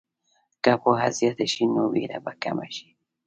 که پوهه زیاته شي، نو ویره به کمه شي.